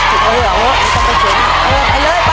ไปเร็ว